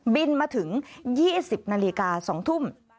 บินมาถึง๒๐นาฬิกา๒ทุ่ม